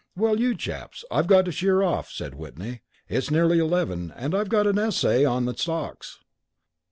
"Well, you chaps, I've got to sheer off," said Whitney. "It's nearly eleven and I've got an essay on the stocks.